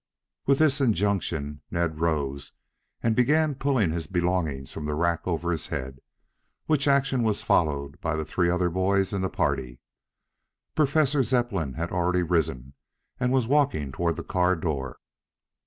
With this injunction, Ned rose and began pulling his belongings from the rack over his head, which action was followed by the three other boys in the party. Professor Zepplin had already risen and was walking toward the car door.